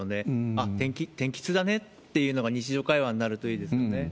あっ、天気痛だねっていうのが日常会話になるといいですよね。